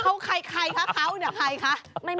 เขาใครคะเขาเนี่ยใครคะ